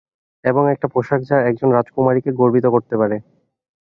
এবং, একটা পোশাক যা একজন রাজকুমারীকে গর্বিত করতে পারে।